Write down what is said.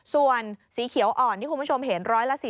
ส่วนสีเขียวอ่อนที่คุณผู้ชมเห็น๑๔๐